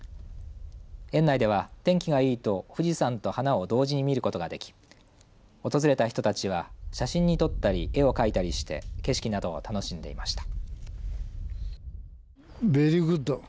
園内では、天気がいいと富士山と花を同時に見ることができ訪れた人たちは写真に撮ったり絵を描いたりして景色などを楽しんでいました。